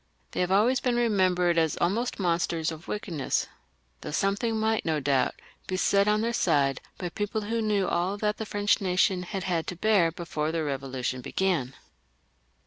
They have always been remembered as almost monsters of wickedness, though something might no doubt be said on their side by people who knew all that the French nation had had to bear before the Eevolution began.